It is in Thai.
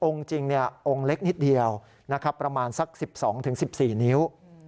องค์จริงองค์เล็กนิดเดียวประมาณสัก๑๒ถึง๑๔นิ้ว